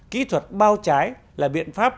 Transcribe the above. kỹ thuật bao trái là biện pháp